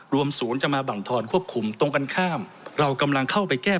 ศูนย์จะมาบังทอนควบคุมตรงกันข้ามเรากำลังเข้าไปแก้